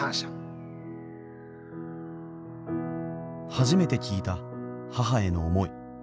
初めて聞いた母への思い。